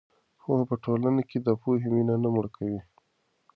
پوهه په ټولنه کې د پوهې مینه نه مړه کوي.